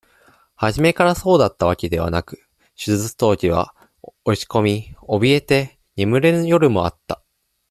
初めからそうだったわけではなく、手術当時は、落ち込み、おびえて、眠れぬ夜もあった。